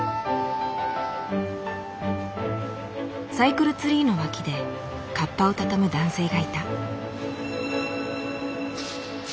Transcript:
サイクルツリーの脇でカッパをたたむ男性がいた。